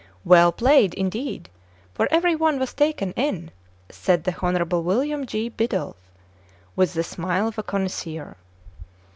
" Well played, indeed ; for every one was taken in," said the Honorable William J. Bidulph, with the smile of a connoisseur.